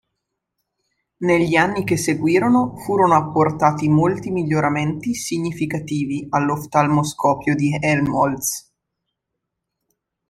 Negli anni che seguirono furono apportati molti miglioramenti significativi all'oftalmoscopio di Helmholtz.